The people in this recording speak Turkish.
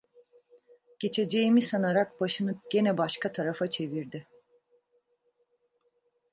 Geçeceğimi sanarak başını gene başka tarafa çevirdi.